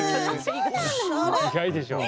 意外でしょ？